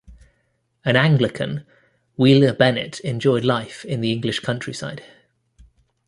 An Anglican, Wheeler-Bennett enjoyed life in the English countryside.